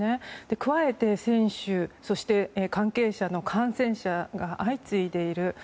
加えて選手そして関係者の感染者が相次いでいる。